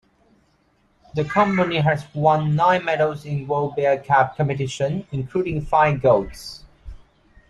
The company has won nine medals in World Beer Cup competition, including five golds.